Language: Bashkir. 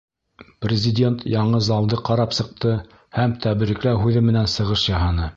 Президент яңы залды ҡарап сыҡты һәм тәбрикләү һүҙе менән сығыш яһаны.